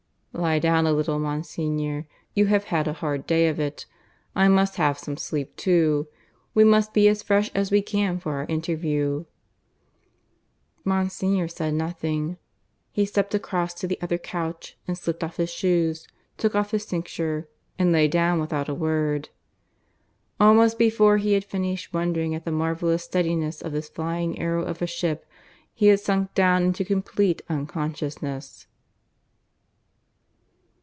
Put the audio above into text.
"Lie down a little, Monsignor. You have had a hard day of it. I must have some sleep too. We must be as fresh as we can for our interview." Monsignor said nothing. He stepped across to the other couch, and slipped off his shoes, took off his cincture, and lay down without a word. Almost before he had finished wondering at the marvellous steadiness of this flying arrow of a ship, he had sunk down into complete unconsciousness.